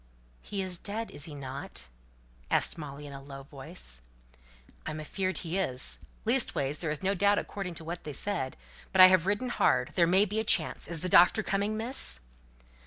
"He is dead, is he not?" asked Molly, in a low voice. "I'm afeard he is, leastways, there's no doubt according to what they said. But I've ridden hard! there may be a chance. Is the doctor coming, Miss?"